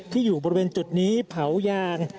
อยู่บริเวณจุดนี้เผายาง